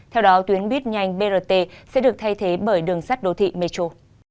theo đó tuyến buýt nhanh brt sẽ được thay thế bởi đường sắt đô thị metro